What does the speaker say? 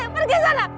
pergi ke sana